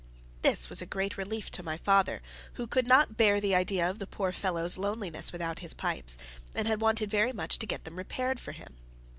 This was a great relief to my father, who could not bear the idea of the poor fellow's loneliness without his pipes, and had wanted very much to get them repaired for him.